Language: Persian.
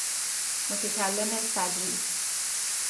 متکلم صدری